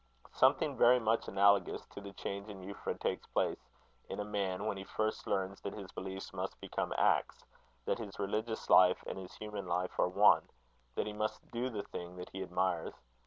Something very much analogous to the change in Euphra takes place in a man when he first learns that his beliefs must become acts; that his religious life and his human life are one; that he must do the thing that he admires.